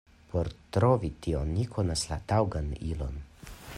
Por trovi tion, ni konas la taŭgan ilon: